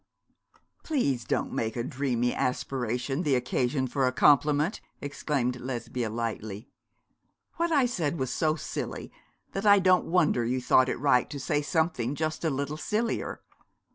'Please don't make a dreamy aspiration the occasion for a compliment,' exclaimed Lesbia, lightly. 'What I said was so silly that I don't wonder you thought it right to say something just a little sillier.